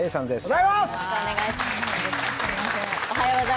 よろしくお願いします。